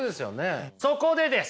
そこでです。